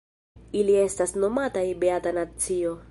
Ili estas nomataj "beata nacio".